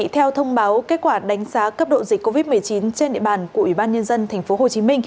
theo thông báo kết quả đánh giá cấp độ dịch covid một mươi chín trên địa bàn của ủy ban nhân dân tp hcm